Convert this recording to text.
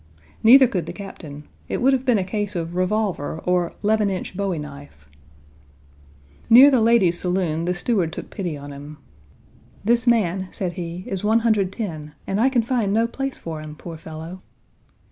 Neither could the Captain. It would have been a case of revolver or " 'leven inch Bowie knife." Near the ladies' Saloon the steward took pity on him. "This man," said he, "is 110, and I can find no place for him, poor fellow."